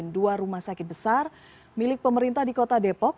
dua rumah sakit besar milik pemerintah di kota depok